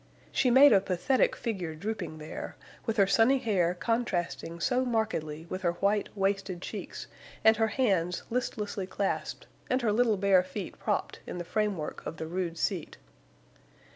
She made a pathetic figure drooping there, with her sunny hair contrasting so markedly with her white, wasted cheeks and her hands listlessly clasped and her little bare feet propped in the framework of the rude seat.